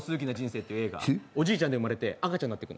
おじいちゃんで生まれて赤ちゃんになってくの。